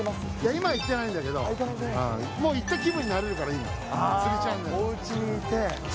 今は行ってないんだけれども、もう行った気分になれるからいいおうちにいて。